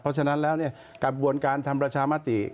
เพราะฉะนั้นแล้วกระบวนการทำประชามติ